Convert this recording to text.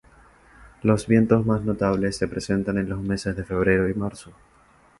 Los vientos más notables se presentan en los meses de febrero y marzo.